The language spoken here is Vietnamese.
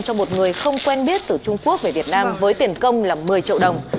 cho một người không quen biết từ trung quốc về việt nam với tiền công là một mươi triệu đồng